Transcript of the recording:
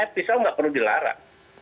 pisau tidak perlu dilarang